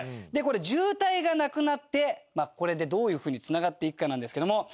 これ渋滞がなくなってこれでどういう風につながっていくかなんですけども。